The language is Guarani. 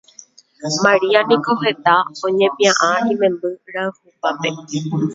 Maria niko heta oñepiaʼã imemby rayhupápe.